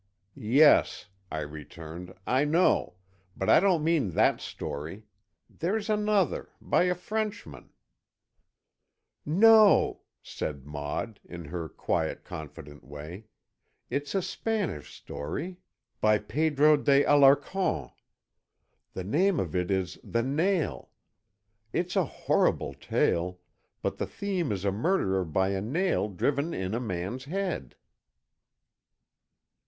"Yes," I returned, "I know, but I don't mean that story. There's another—by a Frenchman——" "No," said Maud, in her quiet, confident way, "it's a Spanish story, by Pedro de Alarcón. The name of it is The Nail. It's a horrible tale, but the theme is a murder by a nail driven in a man's head."